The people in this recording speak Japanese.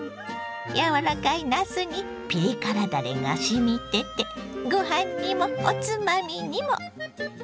やわらかいなすにピリ辛だれがしみててご飯にもおつまみにも！